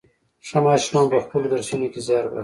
ښه ماشومان په خپلو درسونو کې زيار باسي.